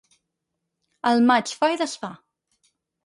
El maig fa i desfà.